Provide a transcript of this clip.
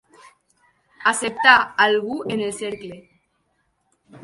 Acceptar algú en el cercle.